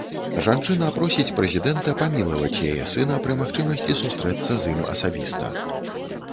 Жанчына просіць прэзідэнта памілаваць яе сына, пры магчымасці сустрэцца з ім асабіста.